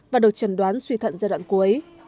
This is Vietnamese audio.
và được chẩn đoán suy thận giai đoạn cuối